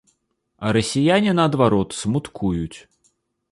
А расіяне, наадварот, смуткуюць.